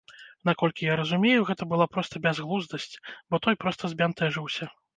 Наколькі я разумею, гэта была проста бязглуздасць, бо той проста збянтэжыўся.